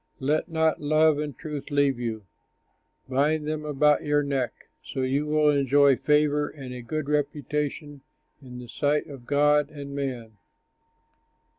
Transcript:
Let not love and truth leave you, Bind them about your neck; So you will enjoy favor and a good reputation In the sight of God and man.